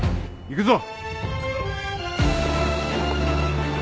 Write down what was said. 行くぞ。